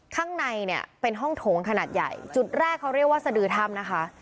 ข้างในเนี่ยเป็นห้องโถงขนาดใหญ่จุดแรกเขาเรียกว่าสดือถ้ำนะคะ